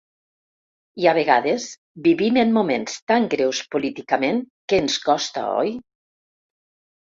I a vegades vivim en moments tan greus políticament que ens costa, oi?